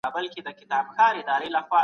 مــا بــه يـې پـــر سر خـونـونه كړي واى